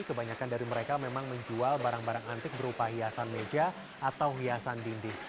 kebanyakan dari mereka memang menjual barang barang antik berupa hiasan meja atau hiasan dinding